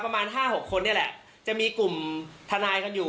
ประมาณห้าหกคนนี่แหละจะมีกลุ่มทนายกันอยู่